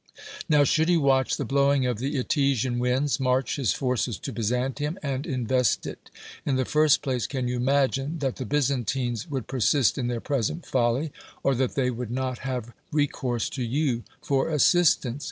Now, should he watch the blowing of the Etesian winds, march his forces to Byzantium, and in vest it ; in the first place, can you imagine that the Byzantines would persist in their present folly ; or that they would not have recourse to you for assistance